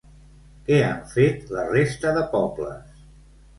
Què han fet la resta de pobles?